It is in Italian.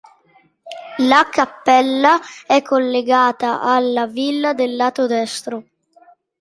La cappella è collegata alla villa dal lato destro.